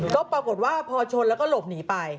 ก็ปรากฏว่าพอชนแล้วก็หลบหนีไป